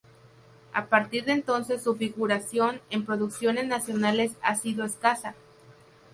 A partir de entonces su figuración en producciones nacionales ha sido escasa.